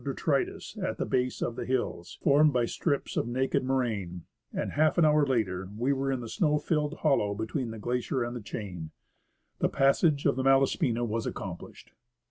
ELIAS detritus at the base of the hills, formed by strips of naked moraine, and half an hour later we were in the snow filled hollow between the glacier and the chain. The passage of the Malaspina was accomplished.